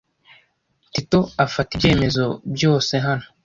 Tito afata ibyemezo byose hano.